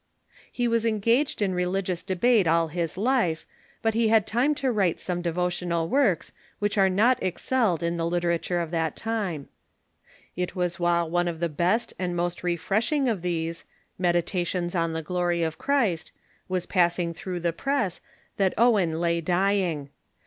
He was engaged in re ligious debate all his life, but he had time to write some devo tional works which are not excelled in the literature of that time. It was while one of the best and most refreshing of 24 3V0 THE MODERN CHURCH these, "Meditations on the Glory of Christ," was passing through the press that Owen hay dying.